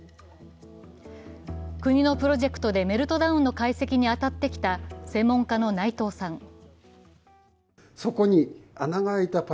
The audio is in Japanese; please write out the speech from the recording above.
国のプロジェクトでメルトダウンの解析に当たってきた専門家の内藤さん。